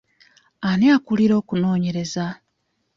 Ani akulira okunoonyereza?